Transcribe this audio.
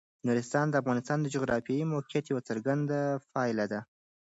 نورستان د افغانستان د جغرافیایي موقیعت یوه څرګنده پایله ده.